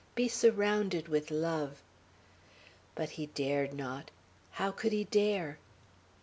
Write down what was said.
be surrounded with love!" But he dared not. How could he dare?